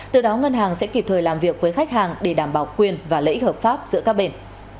từ đó ngân hàng sẽ kịp thời làm việc với khách hàng để đảm bảo quyền và lợi ích hợp pháp giữa các bên